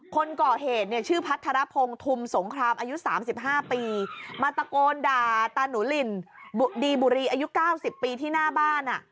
คนก่อเหตุเนี้ยชื่อพัทธาระพงธุมสงครามอายุสามสิบห้าปีมาตะโกนด่าตานุลินดีบุรีอายุเก้าสิบปีที่หน้าบ้านอ่ะ